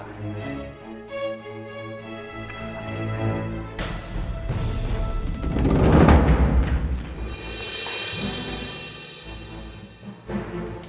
aku mau di rumahku